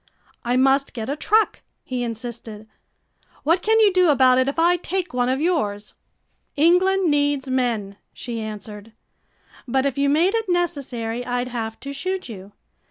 "I must get a truck," he insisted. "What can you do about it if I take one of yours?" "England needs men," she answered. "But if you made it necessary I'd have to shoot you.